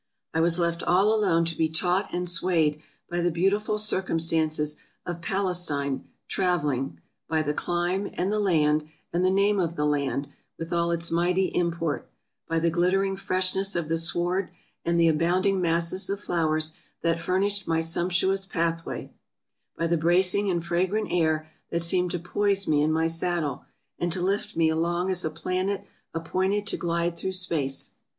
I was ASIA 321 left all alone to be taught and swayed by the beautiful cir cumstances of Palestine traveling — by the clime, and the land, and the name of the land, with all its mighty import — by the glittering freshness of the sward, and the abound ing masses of flowers that furnished my sumptuous pathway — by the bracing and fragrant air that seemed to poise me in my saddle, and to lift me along as a planet appointed to glide through space.